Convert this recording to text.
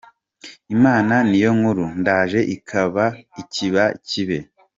Imana niyonkuru, ndaje ikiba kibe !”